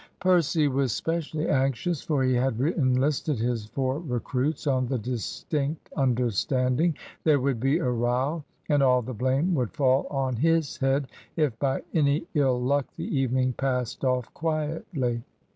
Percy was specially anxious, for he had enlisted his four recruits on the distinct understanding there would be a row, and all the blame would fall on his head if by any ill luck the evening passed off quietly.